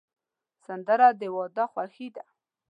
سندره د واده خوښي ده